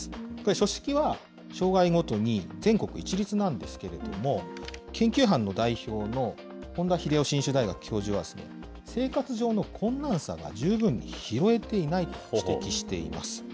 書式は障害ごとに全国一律なんですけれども、研究班の代表の本田秀夫信州大学教授は、生活上の困難さが十分拾えていないと指摘しています。